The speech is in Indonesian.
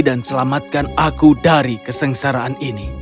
dan selamatkan aku dari kesengsaraan ini